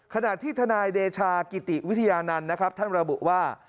ขณะที่ทนายเดชากิติวิทยานันต์นะครับท่านระบุว่า